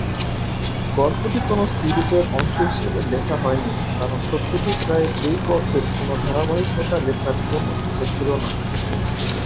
গল্পটি কোন সিরিজের অংশ হিসাবে লেখা হয়নি, কারণ সত্যজিৎ রায়ের এই গল্পের কোনো ধারাবাহিকতা লেখার কোনও ইচ্ছা ছিল না।